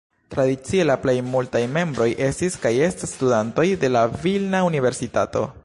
Tradicie la plej multaj membroj estis kaj estas studantoj de la Vilna Universitato.